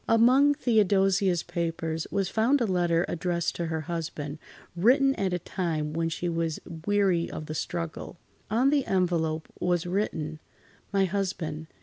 Among Theodosia's papers was found a letter addressed to her husband, written at a time when she was weary of the struggle. On the envelope was written: "My Husband.